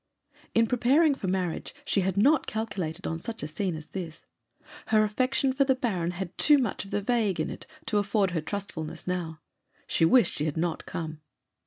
In preparing for marriage she had not calculated on such a scene as this. Her affection for the Baron had too much of the vague in it to afford her trustfulness now. She wished she had not come.